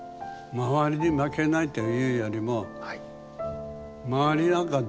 周りに負けないというよりもはあ。